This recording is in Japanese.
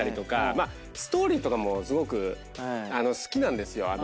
まあストーリーとかもすごく好きなんですよ。